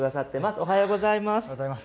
おはようございます。